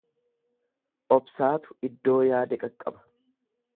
Obsaatu iddoo yaade qaqqaba.